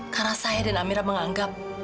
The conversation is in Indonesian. karena saya dan amira menganggap